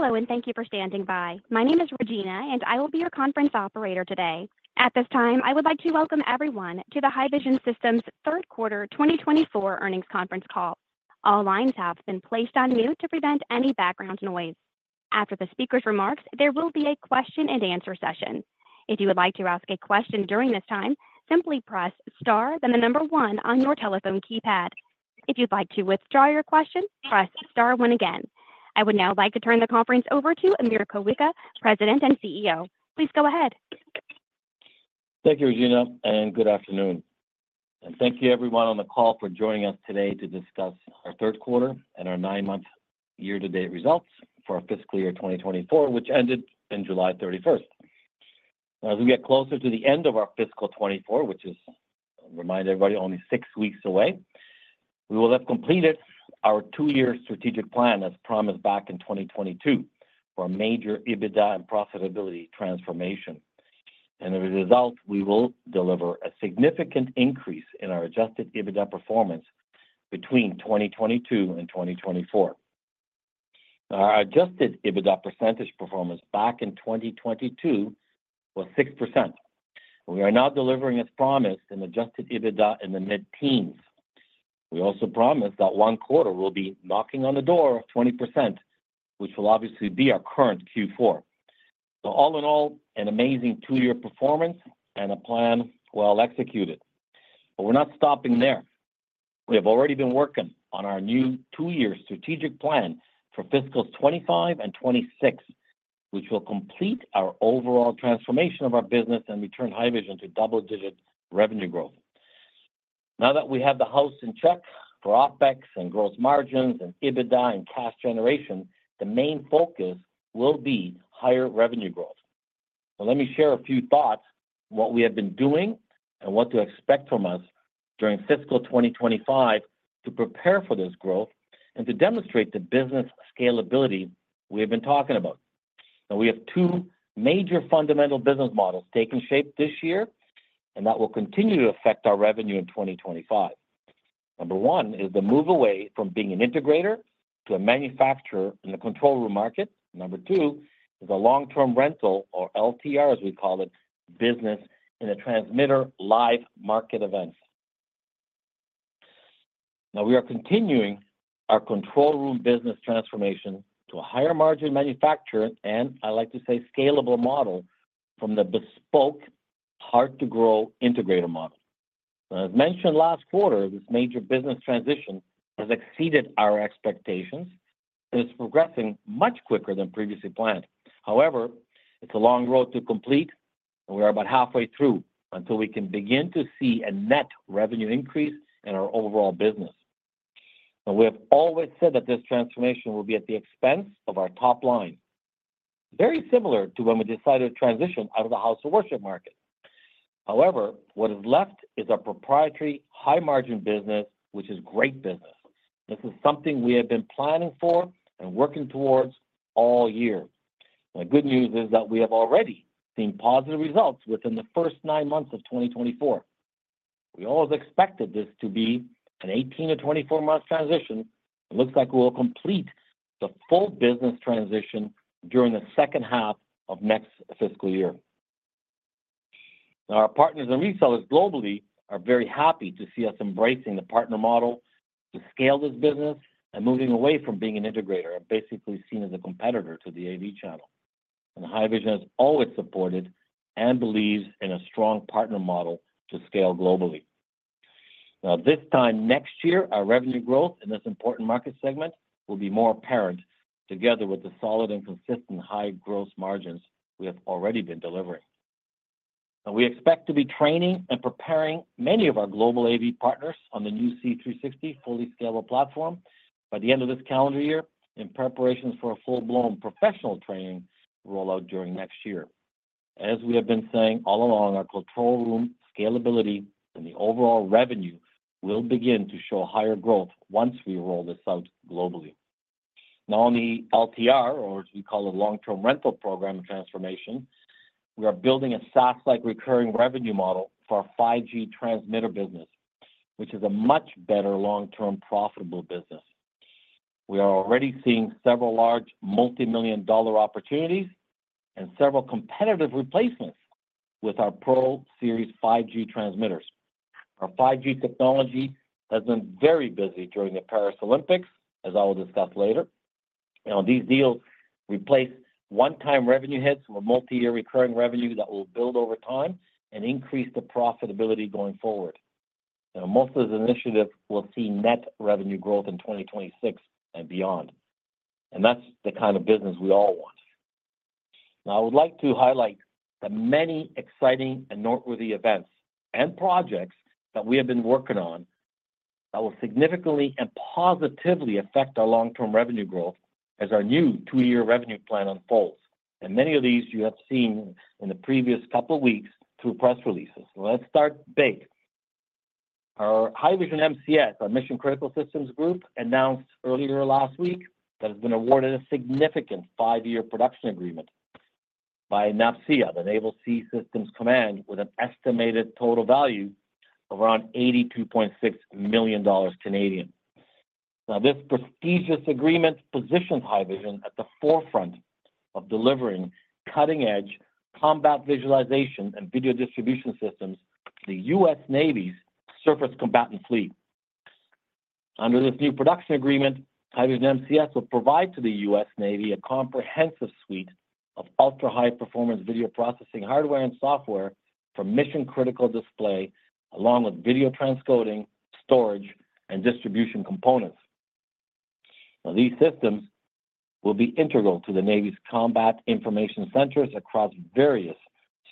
Hello, and thank you for standing by. My name is Regina, and I will be your conference operator today. At this time, I would like to welcome everyone to the Haivision Systems Q3 twenty twenty-four earnings conference call. All lines have been placed on mute to prevent any background noise. After the speaker's remarks, there will be a question and answer session. If you would like to ask a question during this time, simply press Star, then the number one on your telephone keypad. If you'd like to withdraw your question, press Star one again. I would now like to turn the conference over to Mirko Wicha, President and CEO. Please go ahead. Thank you, Regina, and good afternoon, and thank you everyone on the call for joining us today to discuss our Q3 and our nine-month year-to-date results for our fiscal year 2024, which ended July 31. As we get closer to the end of our fiscal 2024, which is, remind everybody, only six weeks away, we will have completed our two-year strategic plan as promised back in 2022, for a major EBITDA and profitability transformation. And as a result, we will deliver a significant increase in our Adjusted EBITDA performance between 2022 and 2024. Our Adjusted EBITDA percentage performance back in 2022 was 6%. We are now delivering as promised an Adjusted EBITDA in the mid-teens. We also promised that one quarter will be knocking on the door of 20%, which will obviously be our current Q4. So all in all, an amazing two-year performance and a plan well executed. But we're not stopping there. We have already been working on our new two-year strategic plan for fiscal 2025 and 2026, which will complete our overall transformation of our business and return Haivision to double-digit revenue growth. Now that we have the house in check for OpEx and gross margins and EBITDA and cash generation, the main focus will be higher revenue growth. So let me share a few thoughts, what we have been doing and what to expect from us during fiscal 2025 to prepare for this growth and to demonstrate the business scalability we have been talking about. Now, we have two major fundamental business models taking shape this year, and that will continue to affect our revenue in 2025. Number one is the move away from being an integrator to a manufacturer in the control room market. Number two is a long-term rental, or LTR, as we call it, business in a transmitter live market event. Now, we are continuing our control room business transformation to a higher margin manufacturer, and I like to say scalable model from the bespoke, hard-to-grow integrator model. As mentioned last quarter, this major business transition has exceeded our expectations and is progressing much quicker than previously planned. However, it's a long road to complete, and we are about halfway through until we can begin to see a net revenue increase in our overall business, and we have always said that this transformation will be at the expense of our top line. Very similar to when we decided to transition out of the house of worship market. However, what is left is a proprietary high-margin business, which is great business. This is something we have been planning for and working towards all year. The good news is that we have already seen positive results within the first nine months of 2024. We always expected this to be an 18-to-24-month transition. It looks like we will complete the full business transition during the second half of next fiscal year. Our partners and resellers globally are very happy to see us embracing the partner model to scale this business and moving away from being an integrator and basically seen as a competitor to the AV channel, and Haivision has always supported and believes in a strong partner model to scale globally. Now, this time next year, our revenue growth in this important market segment will be more apparent together with the solid and consistent high gross margins we have already been delivering, and we expect to be training and preparing many of our global AV partners on the new C360 fully scalable platform by the end of this calendar year, in preparation for a full-blown professional training rollout during next year. As we have been saying all along, our control room scalability and the overall revenue will begin to show higher growth once we roll this out globally. Now, on the LTR, or as we call it, long-term rental program transformation, we are building a SaaS-like recurring revenue model for our 5G transmitter business, which is a much better long-term profitable business. We are already seeing several large multi-million-dollar opportunities and several competitive replacements with our Pro Series 5G transmitters. Our 5G technology has been very busy during the Paris Olympics, as I will discuss later. Now, these deals replace one-time revenue hits with multi-year recurring revenue that will build over time and increase the profitability going forward. Now, most of this initiative will see net revenue growth in 2026 and beyond, and that's the kind of business we all want. Now, I would like to highlight the many exciting and noteworthy events and projects that we have been working on that will significantly and positively affect our long-term revenue growth as our new two-year revenue plan unfolds, and many of these you have seen in the previous couple of weeks through press releases. Let's start big. Our Haivision MCS, our Mission Critical Systems group, announced earlier last week that has been awarded a significant five-year production agreement. by NAVSEA, the Naval Sea Systems Command, with an estimated total value of around 82.6 million Canadian dollars. Now, this prestigious agreement positions Haivision at the forefront of delivering cutting-edge combat visualization and video distribution systems to the U.S. Navy's Surface Combatant Fleet. Under this new production agreement, Haivision MCS will provide to the U.S. Navy a comprehensive suite of ultra-high performance video processing hardware and software for mission-critical display, along with video transcoding, storage, and distribution components. Now, these systems will be integral to the Navy's combat information centers across various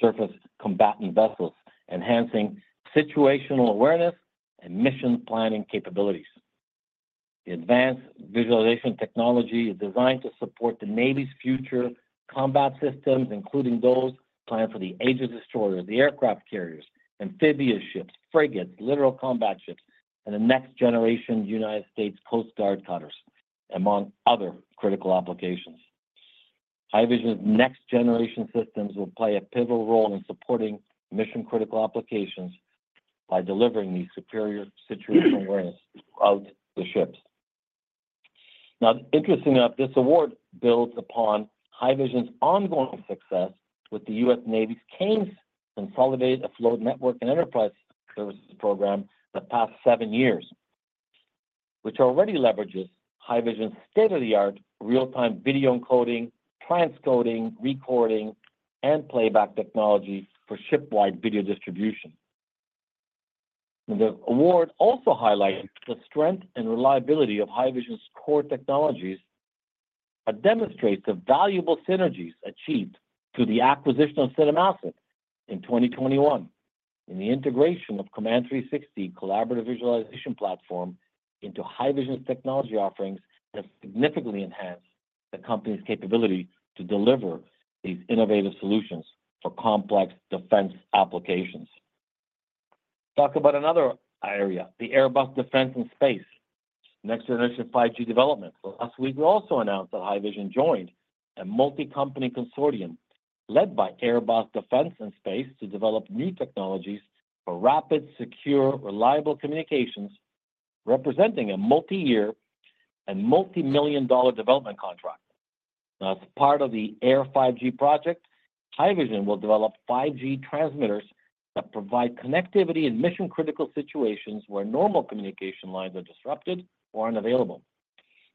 surface combatant vessels, enhancing situational awareness and mission planning capabilities. The advanced visualization technology is designed to support the Navy's future combat systems, including those planned for the Aegis destroyers, the aircraft carriers, amphibious ships, frigates, littoral combat ships, and the next generation United States Coast Guard cutters, among other critical applications. Haivision's next generation systems will play a pivotal role in supporting mission-critical applications by delivering these superior situational awareness to the ships. Now, interestingly enough, this award builds upon Haivision's ongoing success with the U.S. Navy's CANES, Consolidated Afloat Networks and Enterprise Services program, the past seven years, which already leverages Haivision's state-of-the-art real-time video encoding, transcoding, recording, and playback technologies for ship-wide video distribution. The award also highlights the strength and reliability of Haivision's core technologies, but demonstrates the valuable synergies achieved through the acquisition of CineMassive in 2021. The integration of Command 360 collaborative visualization platform into Haivision's technology offerings has significantly enhanced the company's capability to deliver these innovative solutions for complex defense applications. Talk about another area, the Airbus Defence and Space next generation 5G development. Last week, we also announced that Haivision joined a multi-company consortium led by Airbus Defence and Space, to develop new technologies for rapid, secure, reliable communications, representing a multi-year and multi-million-dollar development contract. As part of the Air5G project, Haivision will develop 5G transmitters that provide connectivity in mission-critical situations where normal communication lines are disrupted or unavailable.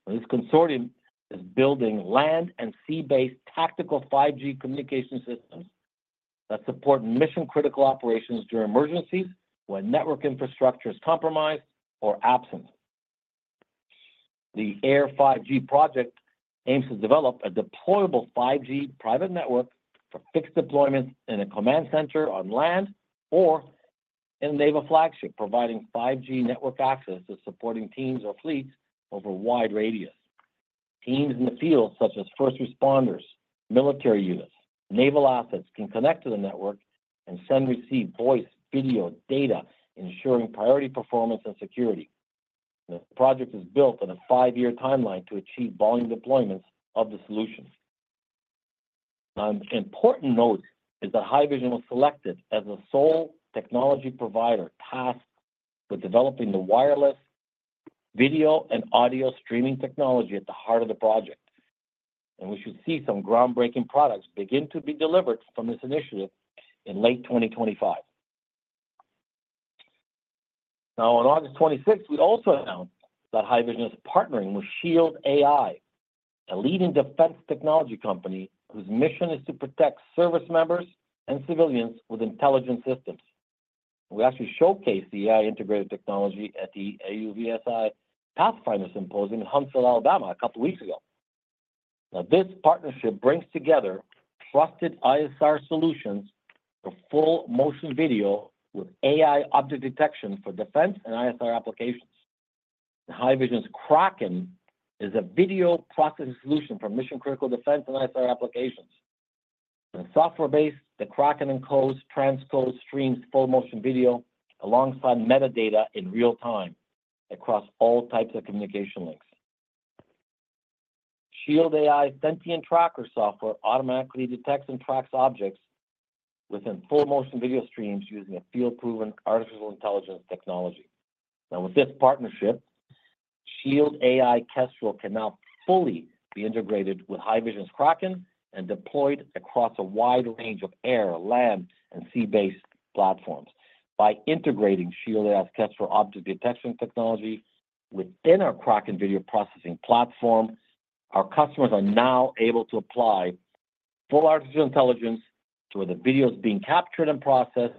This consortium is building land and sea-based tactical 5G communication systems that support mission-critical operations during emergencies, when network infrastructure is compromised or absent. The Air5G project aims to develop a deployable 5G private network for fixed deployments in a command center on land or in a naval flagship, providing 5G network access to supporting teams or fleets over a wide radius. Teams in the field, such as first responders, military units, naval assets, can connect to the network and send, receive voice, video, data, ensuring priority, performance, and security. The project is built on a five-year timeline to achieve volume deployments of the solution. Now, an important note is that Haivision was selected as the sole technology provider tasked with developing the wireless video and audio streaming technology at the heart of the project, and we should see some groundbreaking products begin to be delivered from this initiative in late 2025. Now, on August twenty-sixth, we also announced that Haivision is partnering with Shield AI, a leading defense technology company whose mission is to protect service members and civilians with intelligent systems. We actually showcased the AI-integrated technology at the AUVSI Pathfinder Symposium in Huntsville, Alabama, a couple of weeks ago. Now, this partnership brings together trusted ISR solutions for full motion video with AI object detection for defense and ISR applications. Haivision's Kraken is a video processing solution for mission-critical defense and ISR applications. The software-based Kraken encodes, transcodes, streams full motion video alongside metadata in real time across all types of communication links. Shield AI Sentient Tracker software automatically detects and tracks objects within full motion video streams using a field-proven artificial intelligence technology. Now, with this partnership, Shield AI Kestrel can now fully be integrated with Haivision's Kraken and deployed across a wide range of air, land, and sea-based platforms. By integrating Shield AI Kestrel object detection technology within our Kraken video processing platform, our customers are now able to apply full artificial intelligence to where the video is being captured and processed,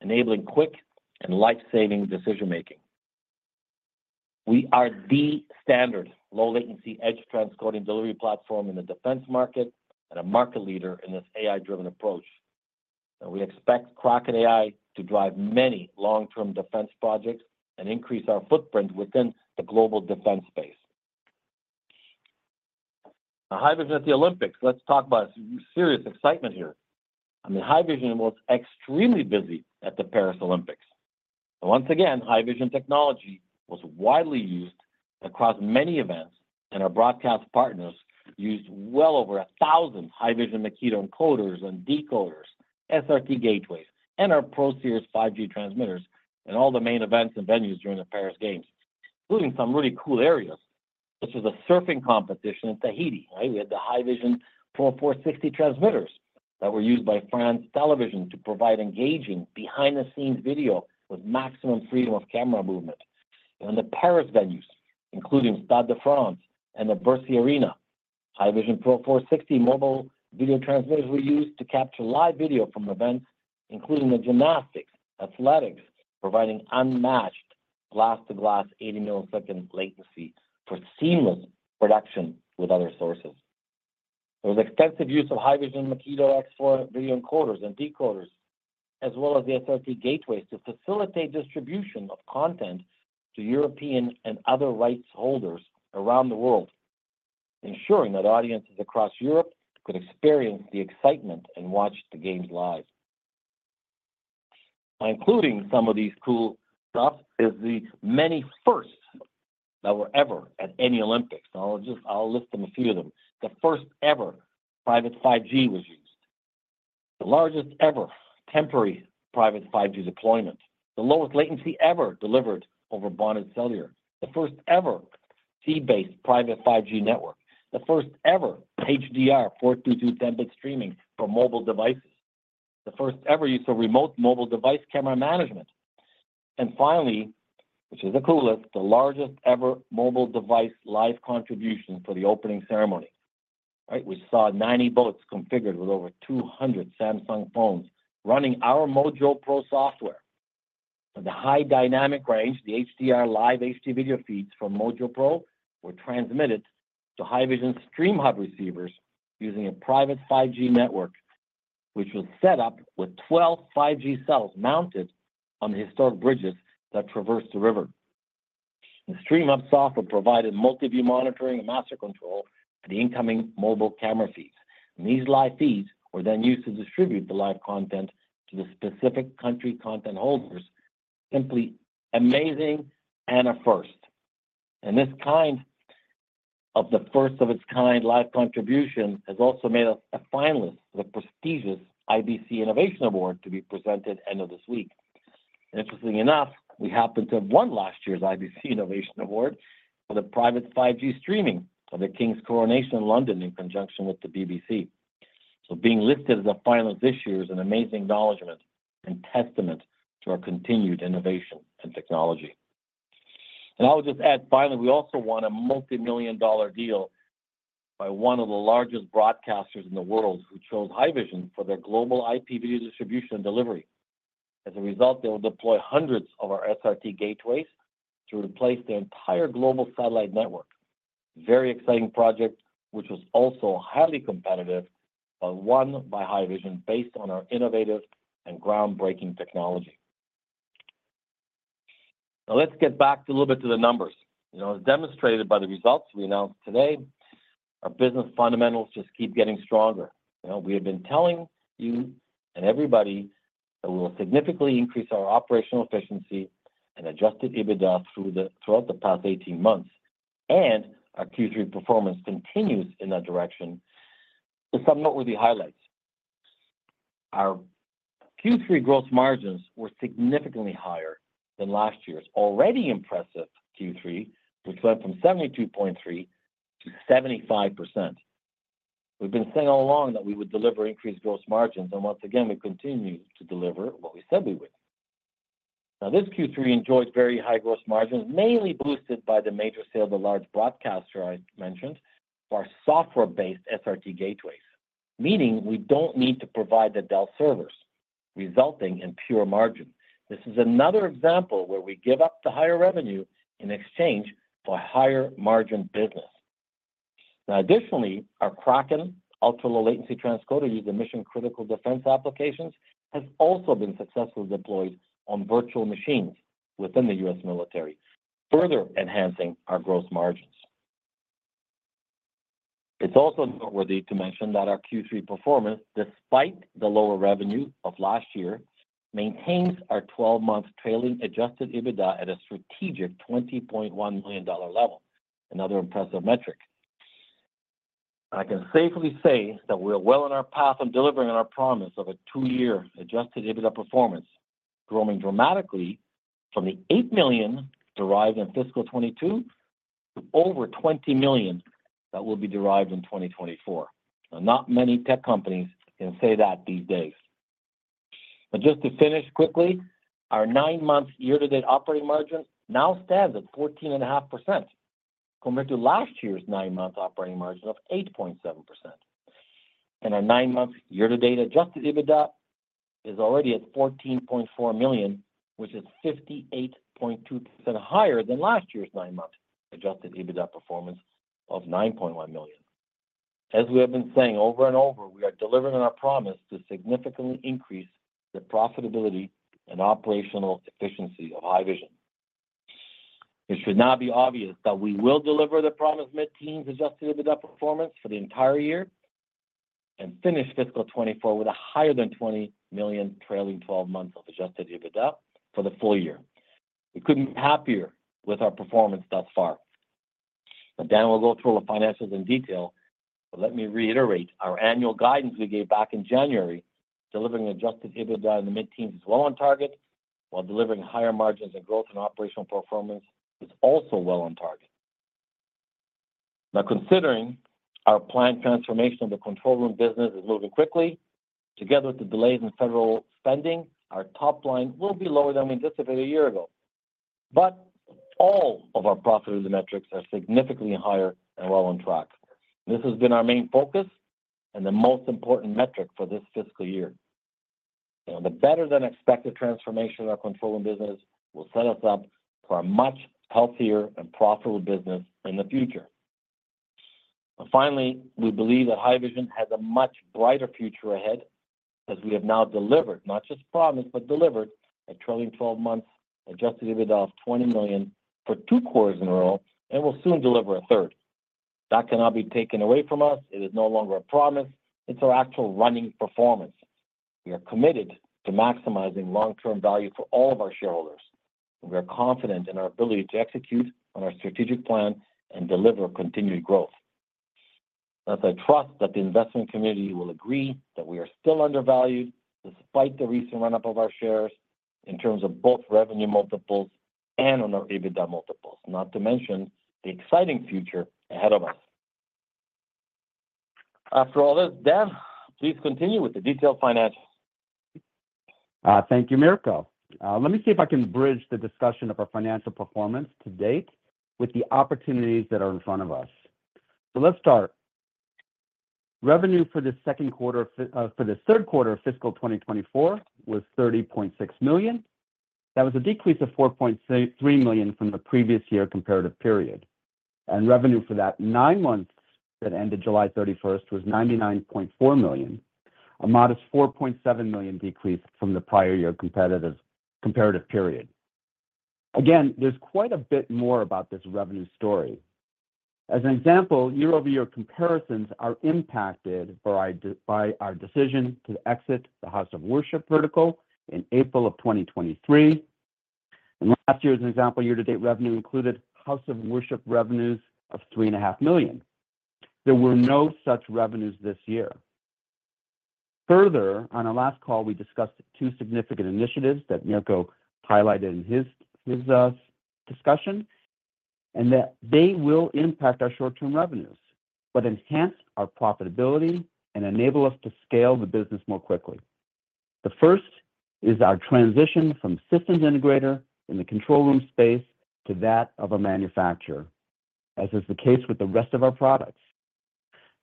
enabling quick and life-saving decision-making. We are the standard low-latency edge transcoding delivery platform in the defense market and a market leader in this AI-driven approach. And we expect Kraken AI to drive many long-term defense projects and increase our footprint within the global defense space. Now, Haivision at the Olympics. Let's talk about some serious excitement here. I mean, Haivision was extremely busy at the Paris Olympics. And once again, Haivision technology was widely used across many events, and our broadcast partners used well over a thousand Haivision Makito encoders and decoders, SRT gateways, and our Pro Series 5G transmitters in all the main events and venues during the Paris Games, including some really cool areas, such as the surfing competition in Tahiti, right? We had the Haivision Pro 460 transmitters that were used by France Télévisions to provide engaging behind-the-scenes video with maximum freedom of camera movement. In the Paris venues, including Stade de France and the Bercy Arena, Haivision Pro 460 mobile video transmitters were used to capture live video from events, including the gymnastics, athletics, providing unmatched glass-to-glass 80-millisecond latency for seamless production with other sources. There was extensive use of Haivision Makito X4 video encoders and decoders, as well as the SRT Gateway, to facilitate distribution of content to European and other rights holders around the world, ensuring that audiences across Europe could experience the excitement and watch the games live. By including some of these cool stuff is the many firsts that were ever at any Olympics. And I'll just. I'll list them, a few of them. The first ever private 5G was used, the largest ever temporary private 5G deployment, the lowest latency ever delivered over bonded cellular, the first ever C-band private 5G network, the first ever HDR 4:2:2 10-bit streaming for mobile devices, the first ever use of remote mobile device camera management. And finally, which is the coolest, the largest ever mobile device live contribution for the opening ceremony, right? We saw ninety boats configured with over two hundred Samsung phones running our MoJoPro software. And the high dynamic range, the HDR live HD video feeds from MoJoPro, were transmitted to Haivision StreamHub receivers using a private 5G network, which was set up with twelve 5G cells mounted on the historic bridges that traverse the river. The StreamHub software provided multi-view monitoring and master control for the incoming mobile camera feeds. These live feeds were then used to distribute the live content to the specific country content holders. Simply amazing and a first. This kind of the first of its kind live contribution has also made us a finalist for the prestigious IBC Innovation Award to be presented end of this week. Interestingly enough, we happened to have won last year's IBC Innovation Award for the private 5G streaming of the King's Coronation in London, in conjunction with the BBC. Being listed as a finalist this year is an amazing acknowledgement and testament to our continued innovation and technology. I would just add, finally, we also won a multimillion-dollar deal by one of the largest broadcasters in the world, who chose Haivision for their global IP video distribution and delivery. As a result, they will deploy hundreds of our SRT gateways to replace their entire global satellite network. Very exciting project, which was also highly competitive, but won by Haivision based on our innovative and groundbreaking technology. Now, let's get back to a little bit to the numbers. You know, as demonstrated by the results we announced today, our business fundamentals just keep getting stronger. You know, we have been telling you and everybody that we will significantly increase our operational efficiency and adjusted EBITDA throughout the past eighteen months, and our Q3 performance continues in that direction. So some noteworthy highlights. Our Q3 gross margins were significantly higher than last year's already impressive Q3, which went from 72.3% to 75%. We've been saying all along that we would deliver increased gross margins, and once again, we continue to deliver what we said we would. Now, this Q3 enjoyed very high gross margins, mainly boosted by the major sale of the large broadcaster I mentioned, our software-based SRT gateways, meaning we don't need to provide the Dell servers, resulting in pure margin. This is another example where we give up the higher revenue in exchange for higher margin business. Now, additionally, our Kraken ultra-low latency transcoder used in mission-critical defense applications has also been successfully deployed on virtual machines within the U.S. military, further enhancing our gross margins. It's also noteworthy to mention that our Q3 performance, despite the lower revenue of last year, maintains our twelve-month trailing Adjusted EBITDA at a strategic 20.1 million dollar level. Another impressive metric. I can safely say that we are well on our path on delivering on our promise of a two-year adjusted EBITDA performance, growing dramatically from the 8 million derived in fiscal 2022 to over 20 million that will be derived in 2024. Not many tech companies can say that these days. And just to finish quickly, our nine-month year-to-date operating margin now stands at 14.5%, compared to last year's nine-month operating margin of 8.7%. And our nine-month year-to-date adjusted EBITDA is already at 14.4 million, which is 58.2% higher than last year's nine-month adjusted EBITDA performance of 9.1 million. As we have been saying over and over, we are delivering on our promise to significantly increase the profitability and operational efficiency of Haivision.... It should now be obvious that we will deliver the promised mid-teens Adjusted EBITDA performance for the entire year, and finish fiscal 2024 with a higher than 20 million trailing twelve months of Adjusted EBITDA for the full year. We couldn't be happier with our performance thus far, but Dan will go through all the finances in detail, but let me reiterate our annual guidance we gave back in January, delivering Adjusted EBITDA in the mid-teens is well on target, while delivering higher margins and growth in operational performance is also well on target. Now, considering our planned transformation of the control room business is moving quickly, together with the delays in federal spending, our top line will be lower than we anticipated a year ago, but all of our profitability metrics are significantly higher and well on track. This has been our main focus and the most important metric for this fiscal year. And the better-than-expected transformation of our control room business will set us up for a much healthier and profitable business in the future. But finally, we believe that Haivision has a much brighter future ahead, as we have now delivered, not just promised, but delivered a trailing twelve-month adjusted EBITDA of 20 million for two quarters in a row, and will soon deliver a third. That cannot be taken away from us. It is no longer a promise, it's our actual running performance. We are committed to maximizing long-term value for all of our shareholders. We are confident in our ability to execute on our strategic plan and deliver continued growth. As I trust that the investment community will agree that we are still undervalued despite the recent run-up of our shares in terms of both revenue multiples and on our EBITDA multiples, not to mention the exciting future ahead of us. After all this, Dan, please continue with the detailed financials. Thank you, Mirko. Let me see if I can bridge the discussion of our financial performance to date with the opportunities that are in front of us. So let's start. Revenue for the Q3 of fiscal 2024 was 30.6 million. That was a decrease of 4.3 million from the previous year comparative period, and revenue for that nine months that ended July 31st was 99.4 million, a modest 4.7 million decrease from the prior year comparative period. Again, there's quite a bit more about this revenue story. As an example, year-over-year comparisons are impacted by our decision to exit the house of worship vertical in April of 2023. And last year, as an example, year-to-date revenue included house of worship revenues of 3.5 million. There were no such revenues this year. Further, on our last call, we discussed two significant initiatives that Mirko highlighted in his discussion, and that they will impact our short-term revenues, but enhance our profitability and enable us to scale the business more quickly. The first is our transition from systems integrator in the control room space to that of a manufacturer, as is the case with the rest of our products.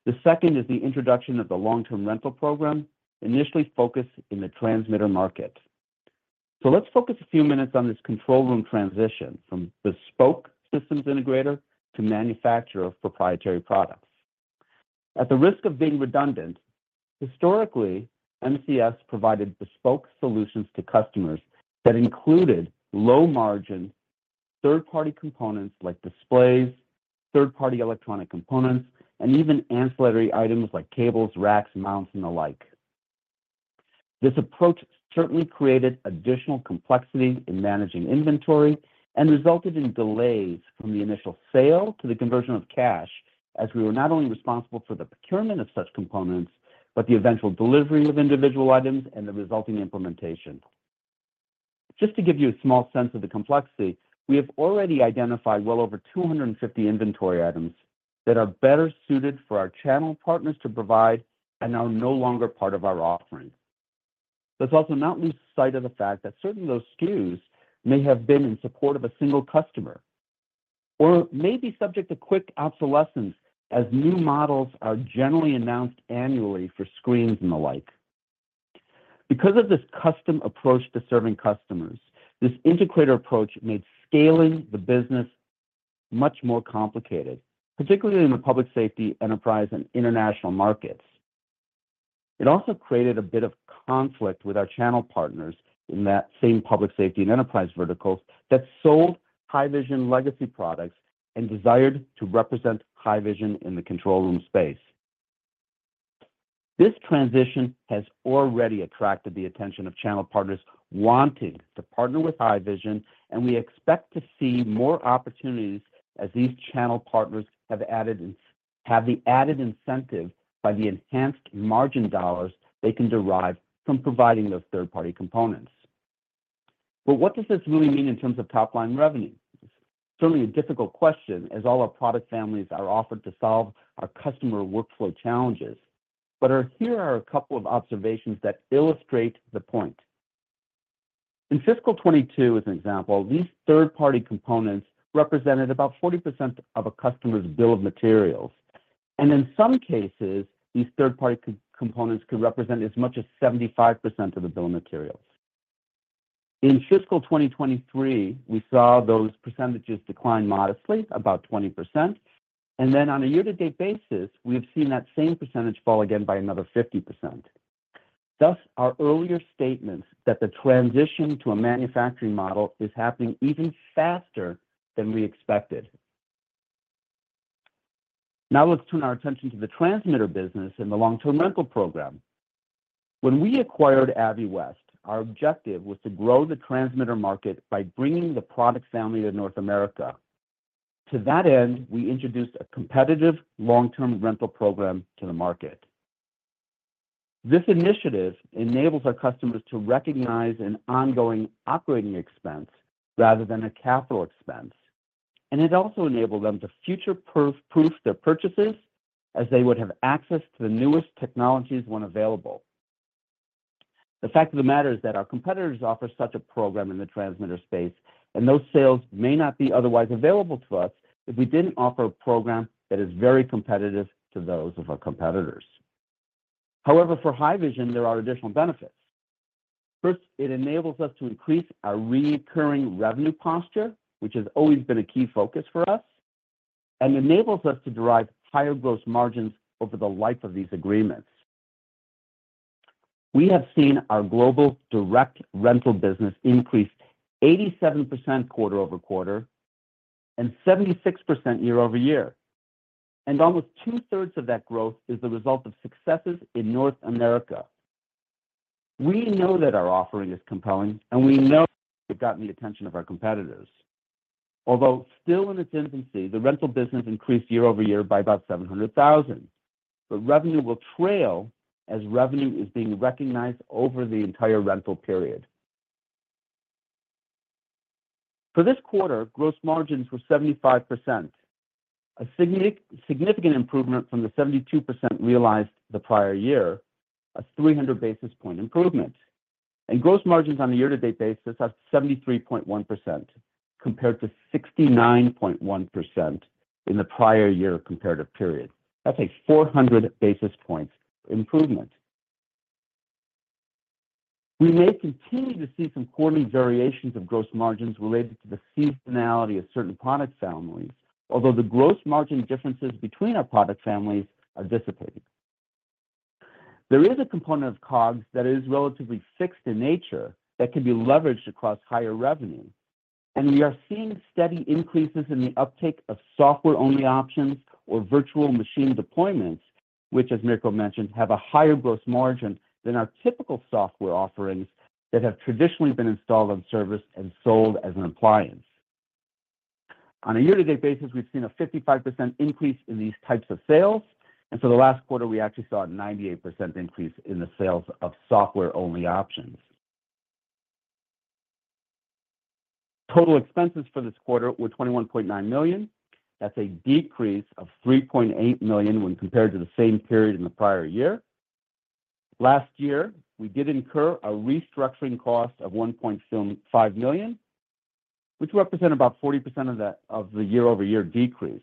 The second is the introduction of the long-term rental program, initially focused in the transmitter market. So let's focus a few minutes on this control room transition from bespoke systems integrator to manufacturer of proprietary products. At the risk of being redundant, historically, MCS provided bespoke solutions to customers that included low-margin, third-party components like displays, third-party electronic components, and even ancillary items like cables, racks, mounts, and the like. This approach certainly created additional complexity in managing inventory and resulted in delays from the initial sale to the conversion of cash, as we were not only responsible for the procurement of such components, but the eventual delivery of individual items and the resulting implementation. Just to give you a small sense of the complexity, we have already identified well over two hundred and fifty inventory items that are better suited for our channel partners to provide and are no longer part of our offering. Let's also not lose sight of the fact that certain of those SKUs may have been in support of a single customer, or may be subject to quick obsolescence, as new models are generally announced annually for screens and the like. Because of this custom approach to serving customers, this integrator approach made scaling the business much more complicated, particularly in the public safety, enterprise, and international markets. It also created a bit of conflict with our channel partners in that same public safety and enterprise verticals that sold Haivision legacy products and desired to represent Haivision in the control room space. This transition has already attracted the attention of channel partners wanting to partner with Haivision, and we expect to see more opportunities as these channel partners have the added incentive by the enhanced margin dollars they can derive from providing those third-party components. But what does this really mean in terms of top-line revenue? Certainly a difficult question, as all our product families are offered to solve our customer workflow challenges. But here are a couple of observations that illustrate the point. In fiscal 2022, as an example, these third-party components represented about 40% of a customer's bill of materials, and in some cases, these third-party components could represent as much as 75% of the bill of materials. In fiscal 2023, we saw those percentages decline modestly, about 20%, and then on a year-to-date basis, we've seen that same percentage fall again by another 50%.... Thus, our earlier statements that the transition to a manufacturing model is happening even faster than we expected. Now, let's turn our attention to the transmitter business and the long-term rental program. When we acquired Aviwest, our objective was to grow the transmitter market by bringing the product family to North America. To that end, we introduced a competitive long-term rental program to the market. This initiative enables our customers to recognize an ongoing operating expense rather than a capital expense, and it also enabled them to future-proof their purchases as they would have access to the newest technologies when available. The fact of the matter is that our competitors offer such a program in the transmitter space, and those sales may not be otherwise available to us if we didn't offer a program that is very competitive to those of our competitors. However, for Haivision, there are additional benefits. First, it enables us to increase our recurring revenue posture, which has always been a key focus for us, and enables us to derive higher gross margins over the life of these agreements. We have seen our global direct rental business increase 87% quarter over quarter and 76% year over year, and almost two-thirds of that growth is the result of successes in North America. We know that our offering is compelling, and we know we've gotten the attention of our competitors. Although still in its infancy, the rental business increased year over year by about 700,000. But revenue will trail as revenue is being recognized over the entire rental period. For this quarter, gross margins were 75%, a significant improvement from the 72% realized the prior year, a 300 basis point improvement, and gross margins on a year-to-date basis are 73.1%, compared to 69.1% in the prior year comparative period. That's a 400 basis points improvement. We may continue to see some quarterly variations of gross margins related to the seasonality of certain product families, although the gross margin differences between our product families are dissipating. There is a component of COGS that is relatively fixed in nature that can be leveraged across higher revenue, and we are seeing steady increases in the uptake of software-only options or virtual machine deployments, which, as Mirko mentioned, have a higher gross margin than our typical software offerings that have traditionally been installed on servers and sold as an appliance. On a year-to-date basis, we've seen a 55% increase in these types of sales, and for the last quarter, we actually saw a 98% increase in the sales of software-only options. Total expenses for this quarter were 21.9 million. That's a decrease of $3.8 million when compared to the same period in the prior year. Last year, we did incur a restructuring cost of $1.5 million, which represented about 40% of the year-over-year decrease.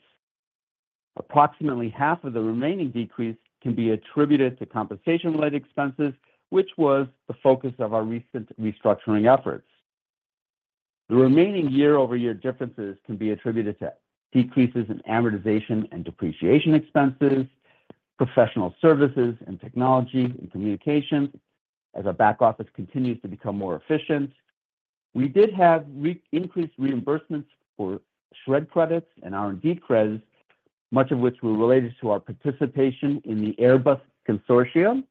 Approximately half of the remaining decrease can be attributed to compensation-related expenses, which was the focus of our recent restructuring efforts. The remaining year-over-year differences can be attributed to decreases in amortization and depreciation expenses, professional services and technology and communication, as our back office continues to become more efficient. We did have increased reimbursements for SR&ED credits and R&D credits, much of which were related to our participation in the Airbus consortium.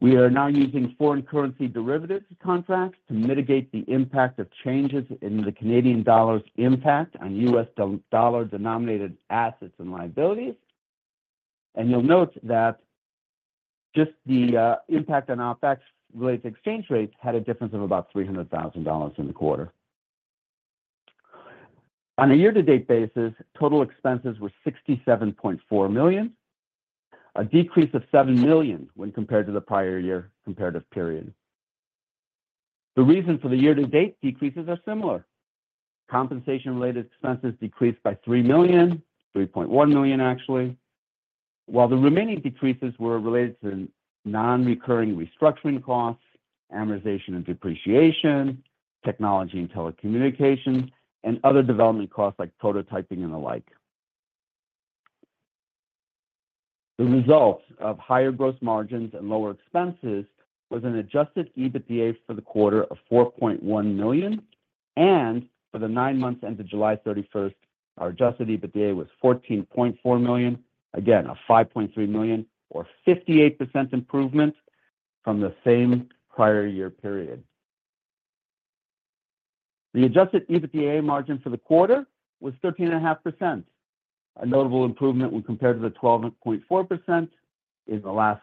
We are now using foreign currency derivatives contracts to mitigate the impact of changes in the Canadian dollar's impact on US dollar-denominated assets and liabilities. And you'll note that just the impact on OpEx-related exchange rates had a difference of about 300,000 dollars in the quarter. On a year-to-date basis, total expenses were 67.4 million, a decrease of 7 million when compared to the prior year comparative period. The reason for the year-to-date decreases are similar. Compensation-related expenses decreased by 3 million, 3.1 million, actually, while the remaining decreases were related to non-recurring restructuring costs, amortization and depreciation, technology and telecommunication, and other development costs like prototyping and the like. The results of higher gross margins and lower expenses was an adjusted EBITDA for the quarter of 4.1 million, and for the nine months ended July thirty-first, our adjusted EBITDA was 14.4 million. Again, a 5.3 million or 58% improvement from the same prior year period. The adjusted EBITDA margin for the quarter was 13.5%, a notable improvement when compared to the 12.4% in the last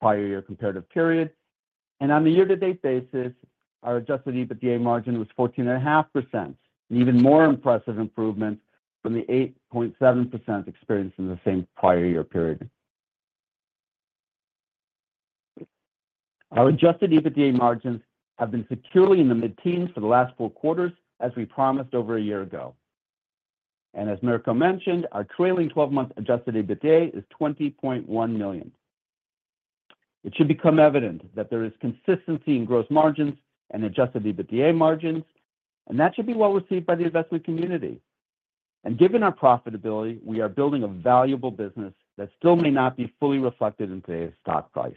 prior year comparative period. And on the year-to-date basis, our adjusted EBITDA margin was 14.5%, an even more impressive improvement from the 8.7% experienced in the same prior year period. Our adjusted EBITDA margins have been securely in the mid-teens for the last four quarters, as we promised over a year ago. And as Mirko mentioned, our trailing twelve-month adjusted EBITDA is 20.1 million. It should become evident that there is consistency in gross margins and adjusted EBITDA margins, and that should be well received by the investment community. And given our profitability, we are building a valuable business that still may not be fully reflected in today's stock price.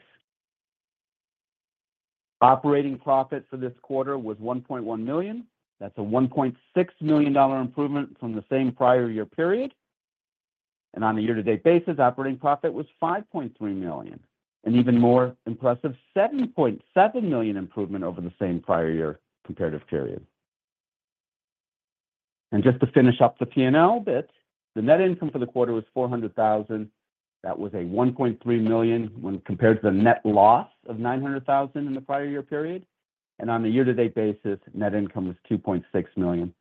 Operating profit for this quarter was $1.1 million. That's a $1.6 million dollar improvement from the same prior year period. And on a year-to-date basis, operating profit was $5.3 million, an even more impressive $7.7 million improvement over the same prior year comparative period. And just to finish up the P&L bit, the net income for the quarter was $400,000. That was a $1.3 million when compared to the net loss of $900,000 in the prior year period. And on a year-to-date basis, net income was $2.6 million,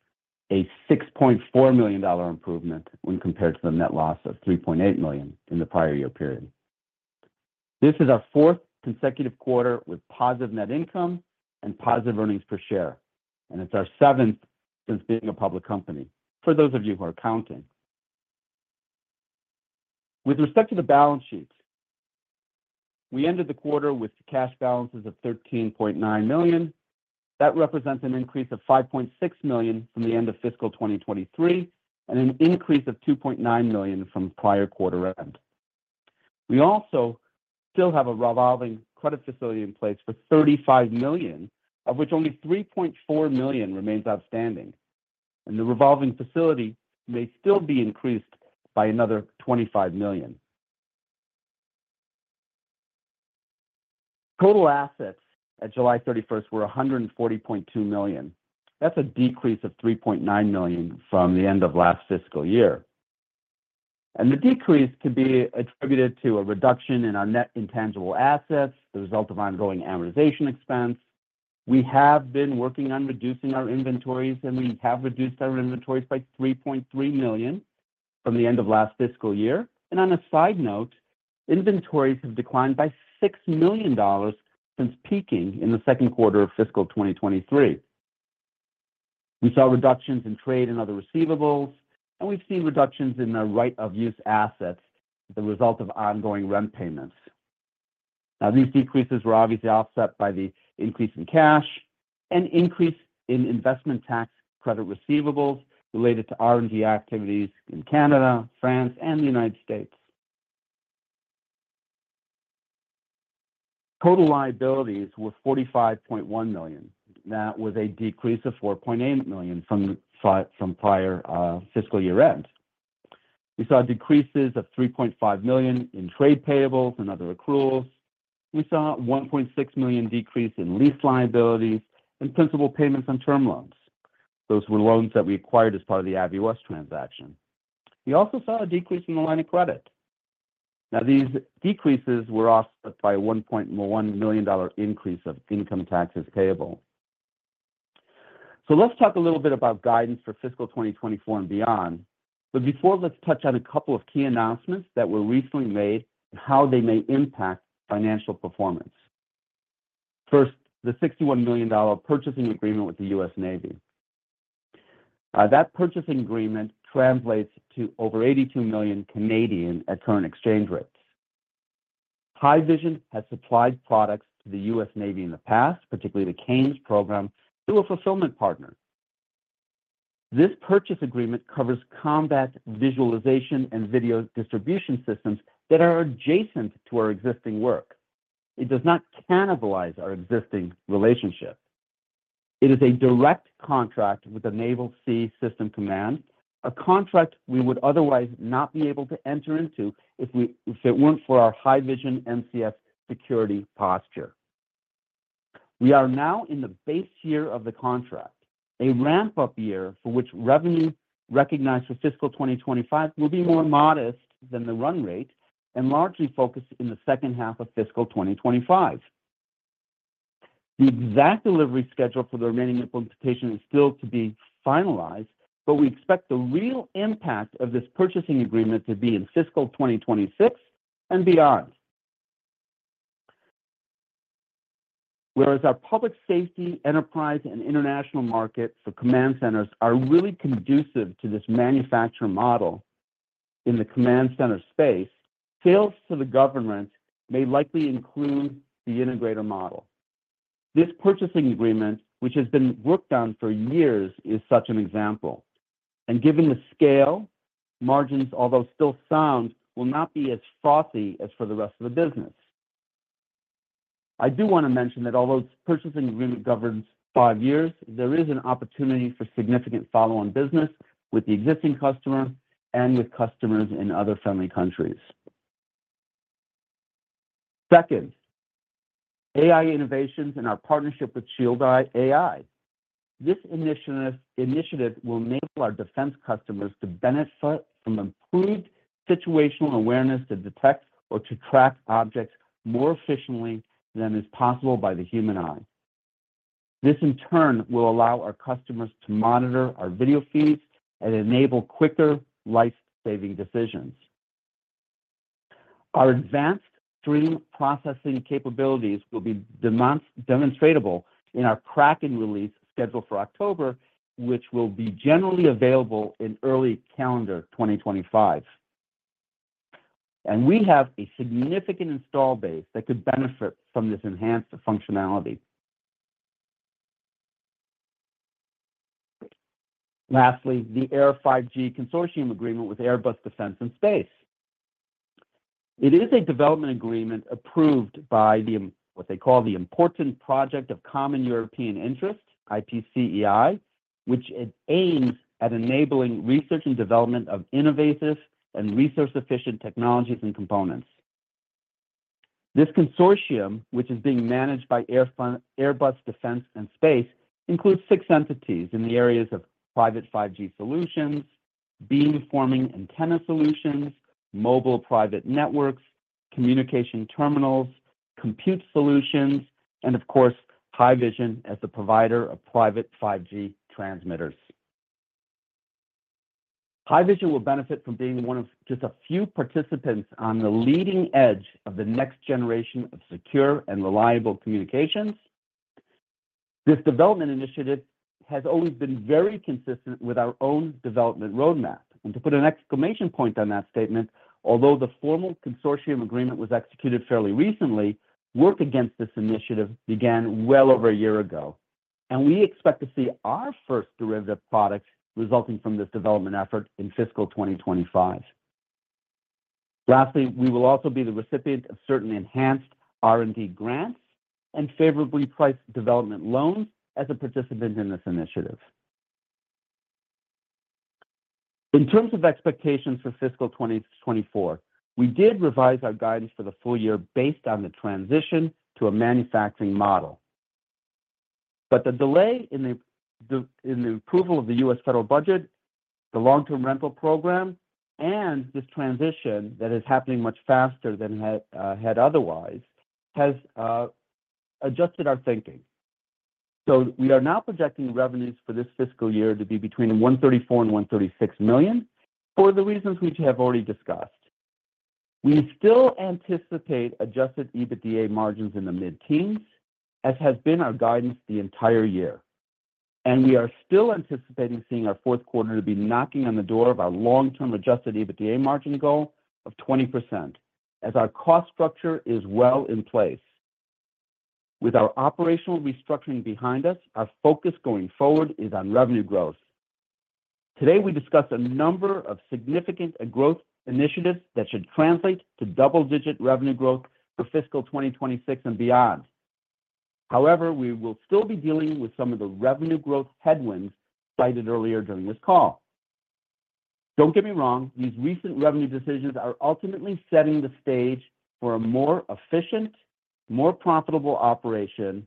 a $6.4 million dollar improvement when compared to the net loss of $3.8 million in the prior year period. This is our fourth consecutive quarter with positive net income and positive earnings per share, and it's our seventh since being a public company, for those of you who are counting. With respect to the balance sheet, we ended the quarter with cash balances of 13.9 million. That represents an increase of 5.6 million from the end of fiscal 2023, and an increase of 2.9 million from prior quarter end. We also still have a revolving credit facility in place for 35 million, of which only 3.4 million remains outstanding, and the revolving facility may still be increased by another 25 million. Total assets at July 31 were 140.2 million. That's a decrease of 3.9 million from the end of last fiscal year. The decrease can be attributed to a reduction in our net intangible assets, the result of ongoing amortization expense. We have been working on reducing our inventories, and we have reduced our inventories by $3.3 million from the end of last fiscal year. On a side note, inventories have declined by $6 million since peaking in the Q2 of fiscal 2023. We saw reductions in trade and other receivables, and we've seen reductions in the right of use assets, the result of ongoing rent payments. Now, these decreases were obviously offset by the increase in cash and increase in investment tax credit receivables related to R&D activities in Canada, France, and the United States. Total liabilities were $45.1 million. That was a decrease of $4.8 million from prior fiscal year end. We saw decreases of 3.5 million in trade payables and other accruals. We saw 1.6 million decrease in lease liabilities and principal payments on term loans. Those were loans that we acquired as part of the Aviwest transaction. We also saw a decrease in the line of credit. Now, these decreases were offset by a $1.1 million increase of income taxes payable. So let's talk a little bit about guidance for fiscal 2024 and beyond. But before, let's touch on a couple of key announcements that were recently made and how they may impact financial performance. First, the $61 million purchasing agreement with the U.S. Navy. That purchasing agreement translates to over 82 million at current exchange rates. Haivision has supplied products to the U.S. Navy in the past, particularly the CANES program, through a fulfillment partner. This purchase agreement covers combat visualization and video distribution systems that are adjacent to our existing work. It does not cannibalize our existing relationship. It is a direct contract with the Naval Sea Systems Command, a contract we would otherwise not be able to enter into if it weren't for our Haivision MCS security posture. We are now in the base year of the contract, a ramp-up year for which revenue recognized for fiscal 2025 will be more modest than the run rate and largely focused in the second half of fiscal 2025. The exact delivery schedule for the remaining implementation is still to be finalized, but we expect the real impact of this purchasing agreement to be in fiscal 2026 and beyond. Whereas our public safety, enterprise, and international markets for command centers are really conducive to this manufacturer model in the command center space, sales to the government may likely include the integrator model. This purchasing agreement, which has been worked on for years, is such an example, and given the scale, margins, although still sound, will not be as frothy as for the rest of the business. I do want to mention that although this purchasing agreement governs five years, there is an opportunity for significant follow-on business with the existing customer and with customers in other friendly countries. Second, AI innovations and our partnership with Shield AI. This initiative will enable our defense customers to benefit from improved situational awareness, to detect or to track objects more efficiently than is possible by the human eye. This, in turn, will allow our customers to monitor our video feeds and enable quicker life-saving decisions. Our advanced stream processing capabilities will be demonstrable in our Kraken release, scheduled for October, which will be generally available in early calendar 2025, and we have a significant installed base that could benefit from this enhanced functionality. Lastly, the Air 5G consortium agreement with Airbus Defense and Space. It is a development agreement approved by the, what they call the Important Project of Common European Interest, IPCEI, which aims at enabling research and development of innovative and resource-efficient technologies and components. This consortium, which is being managed by Airbus Defense and Space, includes six entities in the areas of private 5G solutions, beamforming antenna solutions, mobile private networks, communication terminals, compute solutions, and of course, Haivision as the provider of private 5G transmitters. Haivision will benefit from being one of just a few participants on the leading edge of the next generation of secure and reliable communications. This development initiative has always been very consistent with our own development roadmap. And to put an exclamation point on that statement, although the formal consortium agreement was executed fairly recently, work against this initiative began well over a year ago, and we expect to see our first derivative product resulting from this development effort in fiscal 2025. Lastly, we will also be the recipient of certain enhanced R&D grants and favorably priced development loans as a participant in this initiative. In terms of expectations for fiscal 2024, we did revise our guidance for the full year based on the transition to a manufacturing model. But the delay in the approval of the U.S. federal budget, the long-term rental program, and this transition that is happening much faster than it had otherwise, has adjusted our thinking. So we are now projecting revenues for this fiscal year to be between 134 million and 136 million, for the reasons which we have already discussed. We still anticipate adjusted EBITDA margins in the mid-teens, as has been our guidance the entire year, and we are still anticipating seeing our Q4 to be knocking on the door of our long-term adjusted EBITDA margin goal of 20%, as our cost structure is well in place. With our operational restructuring behind us, our focus going forward is on revenue growth. Today, we discussed a number of significant growth initiatives that should translate to double-digit revenue growth for fiscal 2026 and beyond. However, we will still be dealing with some of the revenue growth headwinds cited earlier during this call. Don't get me wrong, these recent revenue decisions are ultimately setting the stage for a more efficient, more profitable operation,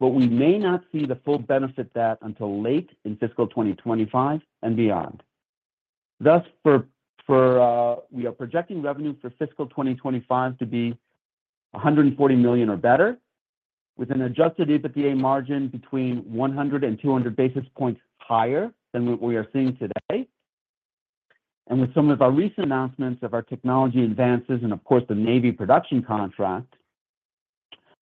but we may not see the full benefit of that until late in fiscal 2025 and beyond. Thus, we are projecting revenue for fiscal 2025 to be 140 million or better, with an adjusted EBITDA margin between 100 and 200 basis points higher than what we are seeing today. And with some of our recent announcements of our technology advances and of course, the Navy production contract,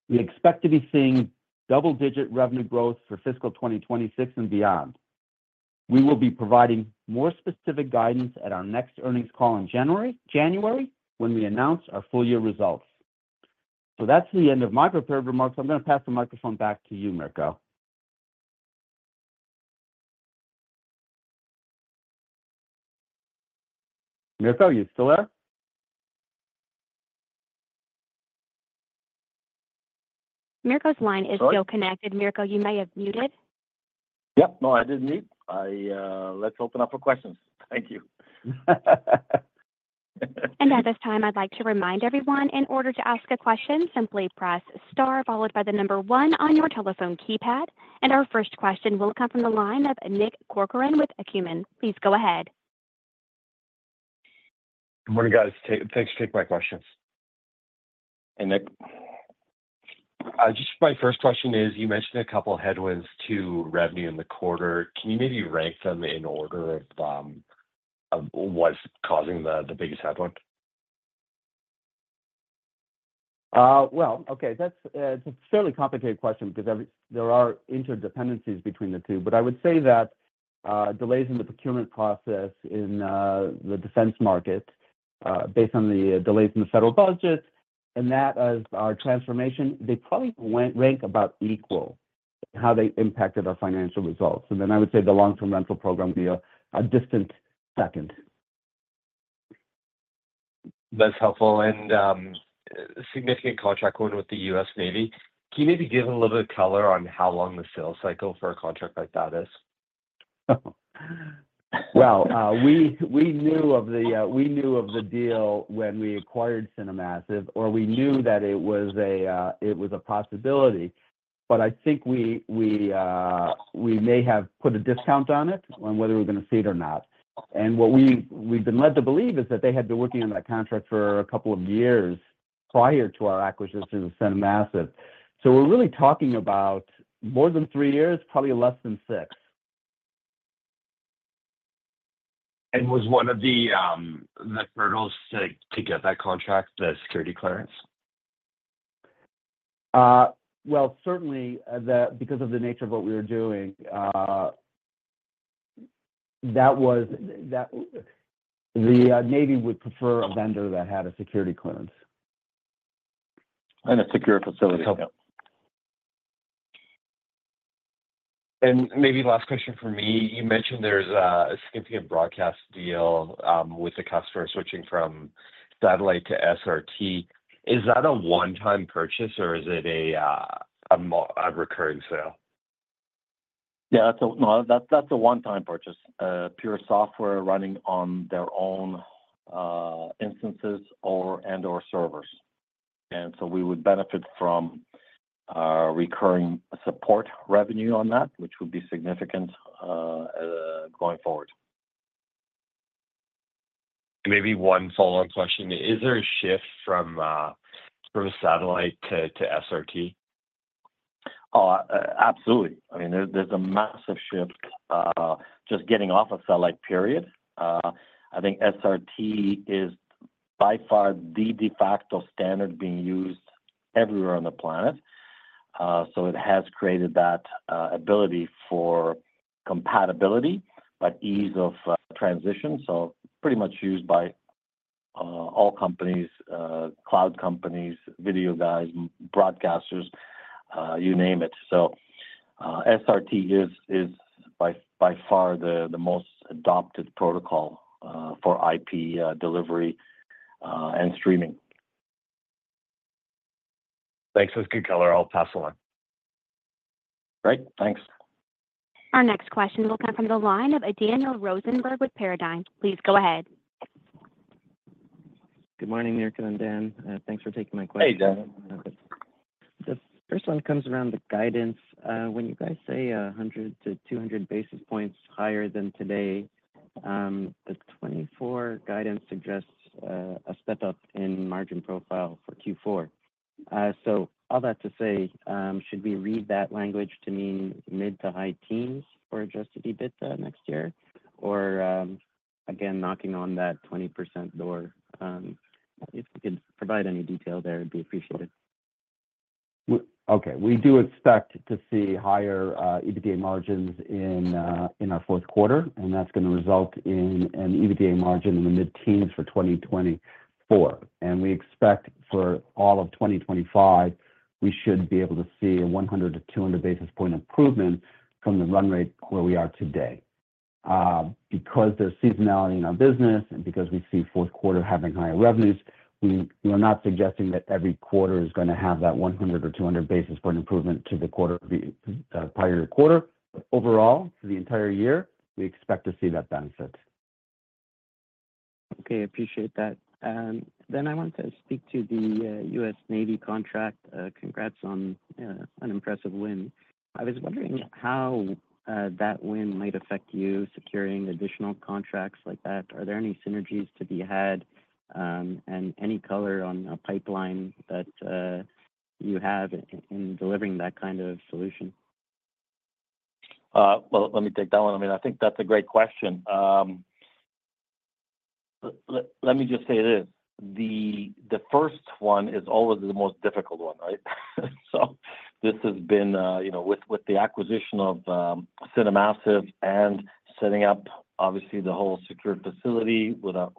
we expect to be seeing double-digit revenue growth for fiscal 2026 and beyond. We will be providing more specific guidance at our next earnings call in January, when we announce our full year results. So that's the end of my prepared remarks. I'm going to pass the microphone back to you, Mirko. Mirko, are you still there? Mirko's line is still connected. Sorry? Mirko, you may have muted. Yep. No, I didn't mute. I, Let's open up for questions. Thank you. At this time, I'd like to remind everyone, in order to ask a question, simply press star, followed by the number one on your telephone keypad. Our first question will come from the line of Nick Corcoran with Acumen. Please go ahead. Good morning, guys. Thanks for taking my questions. Hey, Nick. Just my first question is, you mentioned a couple of headwinds to revenue in the quarter. Can you maybe rank them in order of what's causing the biggest headwind? Well, okay. That's a fairly complicated question because there are interdependencies between the two. But I would say that delays in the procurement process in the defense market, based on the delays in the federal budget and that of our transformation, they probably rank about equal in how they impacted our financial results. And then I would say the long-term rental program would be a distant second. That's helpful, and a significant contract award with the U.S. Navy. Can you maybe give a little bit of color on how long the sales cycle for a contract like that is? Well, we knew of the deal when we acquired CineMassive, or we knew that it was a possibility. But I think we may have put a discount on it, on whether we're going to see it or not. And what we've been led to believe is that they had been working on that contract for a couple of years prior to our acquisition of CineMassive. So we're really talking about more than three years, probably less than six. And was one of the hurdles to get that contract, the security clearance?... Well, certainly, because of the nature of what we were doing, the Navy would prefer a vendor that had a security clearance. A secure facility. Okay. And maybe last question from me. You mentioned there's a significant broadcast deal with the customer switching from satellite to SRT. Is that a one-time purchase or is it a more recurring sale? Yeah, that's a no, that's a one-time purchase, pure software running on their own instances or and/or servers. And so we would benefit from recurring support revenue on that, which would be significant going forward. Maybe one follow-up question. Is there a shift from satellite to SRT? Absolutely. I mean, there's a massive shift just getting off of satellite, period. I think SRT is by far the de facto standard being used everywhere on the planet. So it has created that ability for compatibility, but ease of transition, so pretty much used by all companies, cloud companies, video guys, broadcasters, you name it. So SRT is by far the most adopted protocol for IP delivery and streaming. Thanks. That's good color. I'll pass along. Great. Thanks. Our next question will come from the line of Daniel Rosenberg with Paradigm. Please go ahead. Good morning, Mirko and Dan. Thanks for taking my question. Hey, Daniel. The first one comes around the guidance. When you guys say 100-200 basis points higher than today, the 2024 guidance suggests a step up in margin profile for Q4. So all that to say, should we read that language to mean mid to high teens for Adjusted EBITDA next year? Or, again, knocking on that 20% door. If you could provide any detail there, it'd be appreciated. Okay. We do expect to see higher EBITDA margins in our Q4, and that's gonna result in an EBITDA margin in the mid-teens for twenty twenty-four, and we expect for all of twenty twenty-five, we should be able to see a one hundred to two hundred basis point improvement from the run rate where we are today. Because there's seasonality in our business and because we see Q4 having higher revenues, we are not suggesting that every quarter is gonna have that one hundred or two hundred basis point improvement to the quarter, the prior quarter. Overall, for the entire year, we expect to see that benefit. Okay, appreciate that. And then I want to speak to the U.S. Navy contract. Congrats on an impressive win. I was wondering how that win might affect you securing additional contracts like that. Are there any synergies to be had, and any color on a pipeline that you have in delivering that kind of solution? Let me take that one. I mean, I think that's a great question. Let me just say this: the first one is always the most difficult one, right? So this has been, you know, with the acquisition of CineMassive and setting up, obviously, the whole secured facility with a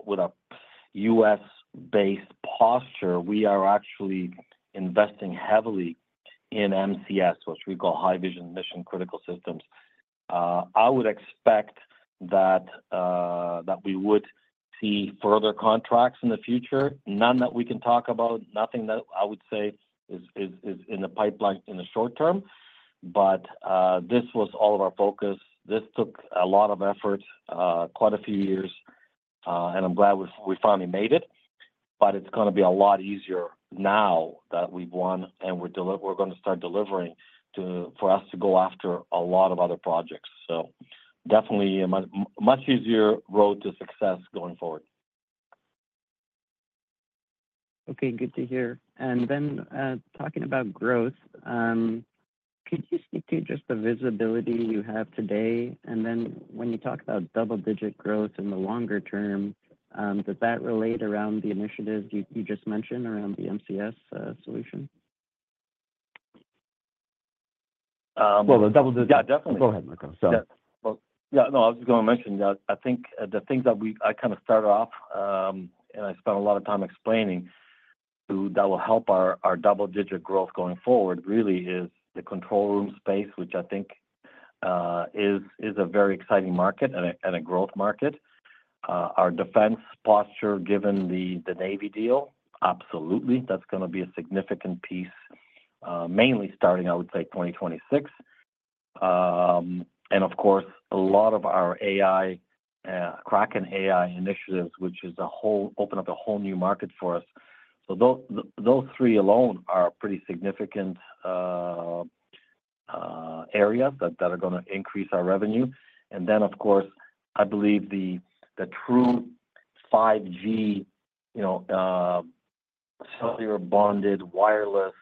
U.S.-based posture, we are actually investing heavily in MCS, which we call Haivision Mission Critical Systems. I would expect that we would see further contracts in the future. None that we can talk about, nothing that I would say is in the pipeline in the short term, but this was all of our focus. This took a lot of effort, quite a few years, and I'm glad we finally made it. But it's gonna be a lot easier now that we've won and we're gonna start delivering for us to go after a lot of other projects. So definitely a much easier road to success going forward. Okay, good to hear. And then, talking about growth, could you speak to just the visibility you have today? And then when you talk about double-digit growth in the longer term, does that relate around the initiatives you just mentioned around the MCS solution? Um- The double digit- Yeah, definitely. Go ahead, Mirko. Sorry. Yeah. Well, yeah, no, I was just gonna mention that I think the things that we—I kind of started off and I spent a lot of time explaining that will help our our double-digit growth going forward really is the control room space, which I think is a very exciting market and a growth market. Our defense posture, given the Navy deal, absolutely, that's gonna be a significant piece mainly starting, I would say, twenty twenty-six. And of course, a lot of our AI Kraken AI initiatives, which is a whole open up a whole new market for us. So those three alone are pretty significant areas that are gonna increase our revenue. And then, of course, I believe the true 5G, you know, cellular bonded wireless,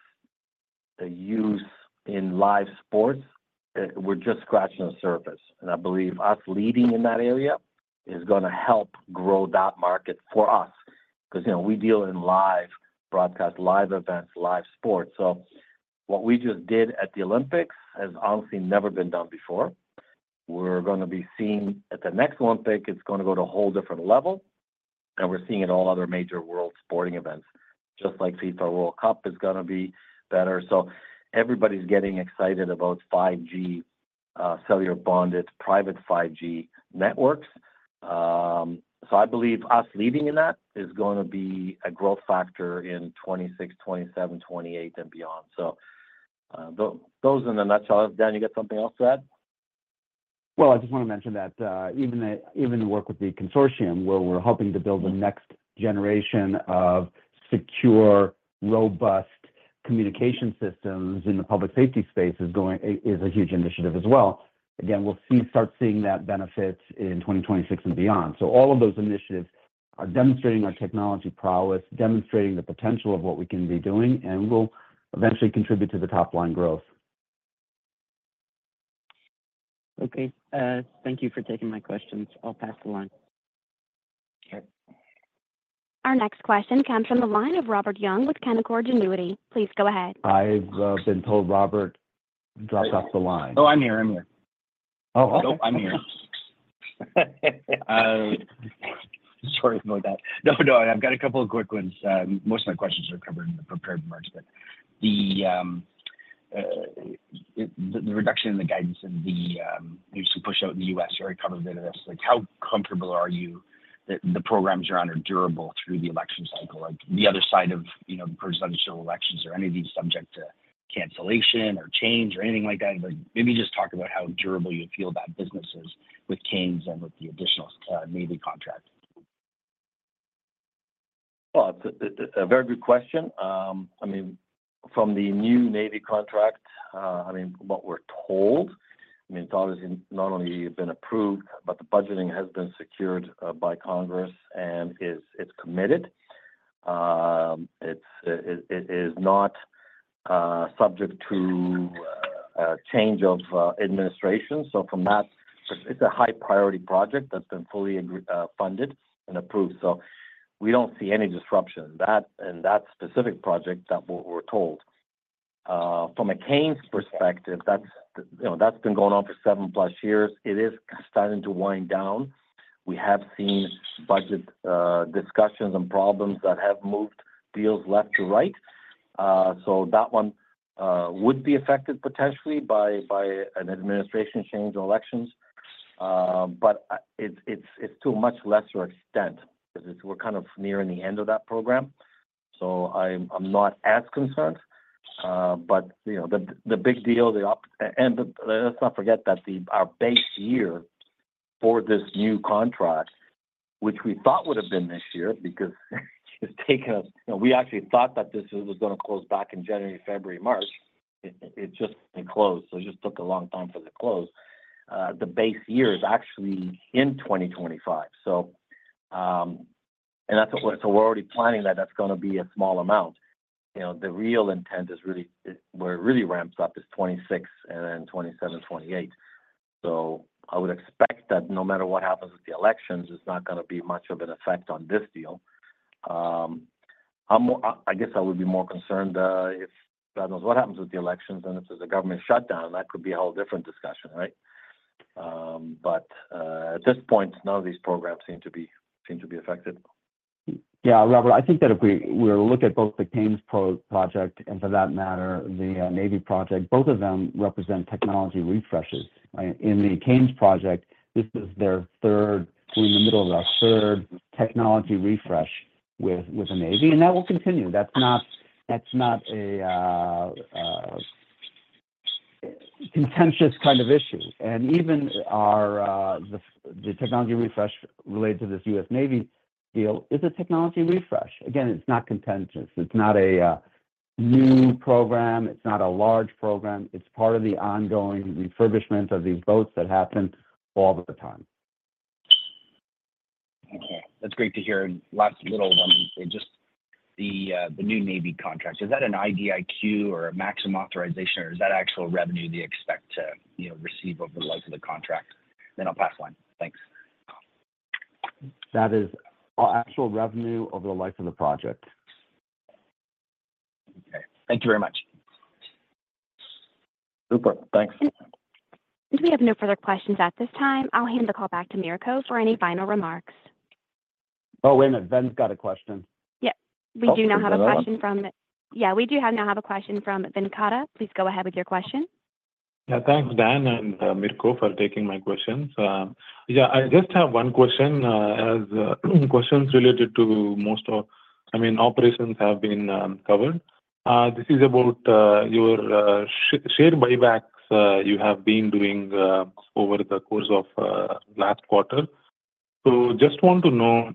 the use in live sports. We're just scratching the surface, and I believe us leading in that area is gonna help grow that market for us. Because, you know, we deal in live broadcast, live events, live sports. So what we just did at the Olympics has honestly never been done before. We're gonna be seeing at the next Olympics, it's gonna go to a whole different level, and we're seeing it in all other major world sporting events. Just like FIFA World Cup is gonna be better. So everybody's getting excited about 5G, cellular bonded, private 5G networks. So I believe us leading in that is gonna be a growth factor in 2026, 2027, 2028, and beyond. Those are in a nutshell. Dan, you got something else to add? I just wanna mention that even the work with the consortium, where we're hoping to build the next generation of secure, robust communication systems in the public safety space, is a huge initiative as well. Again, we'll start seeing that benefit in twenty twenty-six and beyond. All of those initiatives are demonstrating our technology prowess, demonstrating the potential of what we can be doing, and will eventually contribute to the top line growth. Okay. Thank you for taking my questions. I'll pass the line. Okay. Our next question comes from the line of Robert Young with Canaccord Genuity. Please go ahead. I've been told Robert dropped off the line. Oh, I'm here. I'm here. Oh, oh. Nope, I'm here. Sorry about that. No, no, I've got a couple of quick ones. Most of my questions were covered in the prepared remarks, but the reduction in the guidance and the recent push out in the US, you already covered a bit of this. Like, how comfortable are you that the programs you're on are durable through the election cycle? Like, the other side of, you know, presidential elections or any of these subject to cancellation, or change, or anything like that. But maybe just talk about how durable you feel that business is with CANES and with the additional Navy contract. A very good question. I mean, from the new Navy contract, I mean, what we're told, I mean, it's obviously not only been approved, but the budgeting has been secured by Congress and it's committed. It's not subject to change of administration. So from that, it's a high priority project that's been fully funded and approved. So we don't see any disruption. That in that specific project, that what we're told. From a CANES perspective, that's, you know, that's been going on for seven plus years. It is starting to wind down. We have seen budget discussions and problems that have moved deals left to right. So that one would be affected potentially by an administration change or elections. But it's to a much lesser extent because we're kind of nearing the end of that program, so I'm not as concerned. But you know, the big deal and let's not forget that our base year for this new contract, which we thought would have been this year, because it's taken us. You know, we actually thought that this was gonna close back in January, February, March. It just didn't close, so it just took a long time for the close. The base year is actually in 2025. So we're already planning that, that's gonna be a small amount. You know, the real intent is really, where it really ramps up, is 2026 and then 2027, 2028. So I would expect that no matter what happens with the elections, it's not gonna be much of an effect on this deal. I'm more—I guess I would be more concerned if God knows what happens with the elections and if there's a government shutdown, that could be a whole different discussion, right? But at this point, none of these programs seem to be affected. Yeah, Robert, I think that if we look at both the CANES project, and for that matter, the Navy project, both of them represent technology refreshes, right? In the CANES project, this is their third, we're in the middle of our third technology refresh with the Navy, and that will continue. That's not, that's not a contentious kind of issue, and even the technology refresh related to this U.S. Navy deal is a technology refresh. Again, it's not contentious, it's not a new program, it's not a large program. It's part of the ongoing refurbishment of these boats that happen all the time. Okay. That's great to hear. Last little one, just the new Navy contract, is that an IDIQ or a maximum authorization, or is that actual revenue you expect to, you know, receive over the life of the contract? Then I'll pass the line. Thanks. That is our actual revenue over the life of the project. Okay. Thank you very much. Super. Thanks. We have no further questions at this time. I'll hand the call back to Mirko for any final remarks. Oh, wait a minute. Ben's got a question. Yep. We do now have a question from- Oh, go ahead. Yeah, we now have a question from Venkata. Please go ahead with your question. Yeah, thanks, Dan and Mirko, for taking my questions. Yeah, I just have one question, as questions related to most of- I mean, operations have been covered. This is about your share buybacks you have been doing over the course of last quarter. So just want to know,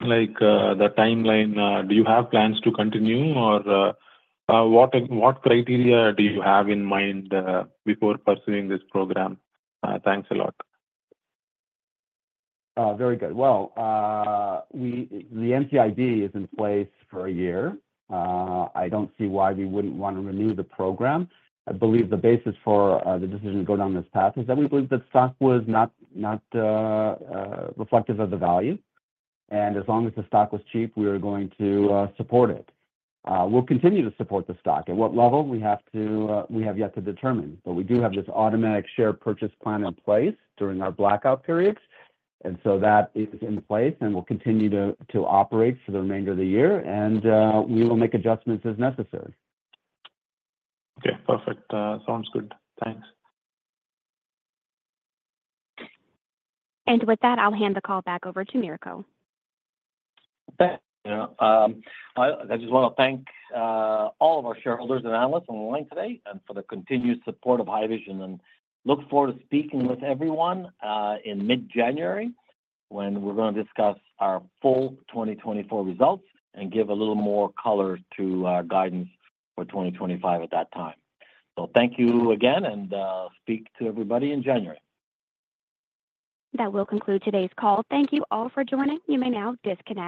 like, the timeline, do you have plans to continue? Or, what criteria do you have in mind before pursuing this program? Thanks a lot. Very good. Well, the NCIB is in place for a year. I don't see why we wouldn't want to renew the program. I believe the basis for the decision to go down this path is that we believe the stock was not reflective of the value. And as long as the stock was cheap, we were going to support it. We'll continue to support the stock. At what level? We have to, we have yet to determine, but we do have this automatic share purchase plan in place during our blackout periods, and so that is in place and will continue to operate for the remainder of the year, and we will make adjustments as necessary. Okay, perfect. Sounds good. Thanks. With that, I'll hand the call back over to Mirko. Thanks. Yeah, I just wanna thank all of our shareholders and analysts on the line today, and for the continued support of Haivision. And look forward to speaking with everyone in mid-January, when we're gonna discuss our full 2024 results and give a little more color to our guidance for 2025 at that time. So thank you again, and speak to everybody in January. That will conclude today's call. Thank you all for joining. You may now disconnect.